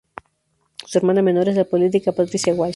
Su hermana menor es la política Patricia Walsh.